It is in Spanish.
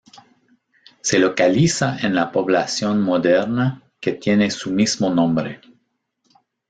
Se localiza en la población moderna que tiene su mismo nombre.